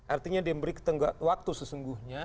artinya diberi waktu sesungguhnya